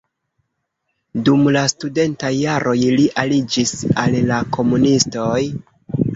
Dum la studentaj jaroj li aliĝis al la komunistoj.